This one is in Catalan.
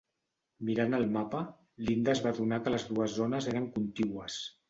Mirant el mapa, Linda es va adonar que les dues zones eren contigües.